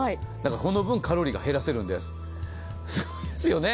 この分カロリーが減らせるんです、すごいですよね。